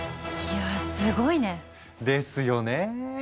いやぁすごいね。ですよね。